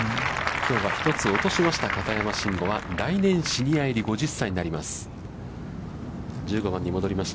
きょうは１つ落としました、片山晋呉は、来年シニア入り、５０歳になります。